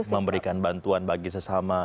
memberikan bantuan bagi sesama